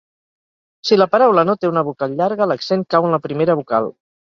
Si la paraula no té una vocal llarga, l'accent cau en la primera vocal.